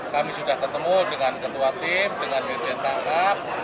kami sudah ketemu dengan ketua tim dengan dirjen tangkap